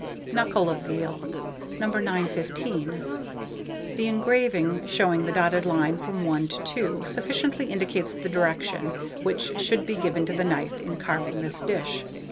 KNUCKLE OF VEAL. [Illustration: KNUCKLE OF VEAL.] 915. The engraving, showing the dotted line from 1 to 2, sufficiently indicates the direction which should be given to the knife in carving this dish.